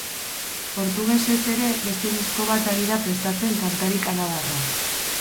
Portugesez ere beste disko bat ari da prestatzen kantari kanadarra.